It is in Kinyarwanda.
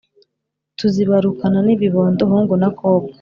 Tuzibarukana n’ibibondo hungu na kobwa